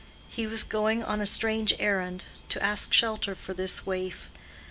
He was going on a strange errand—to ask shelter for this waif.